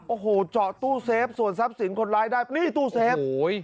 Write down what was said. โอ้โหเจาะตู้เซฟส่วนทรัพย์สินคนร้ายได้นี่ตู้เซฟ